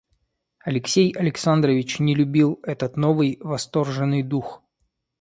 Алексей Александрович не любил этот новый восторженный дух.